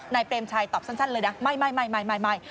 เปรมชัยตอบสั้นเลยนะไม่